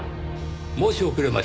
申し遅れました。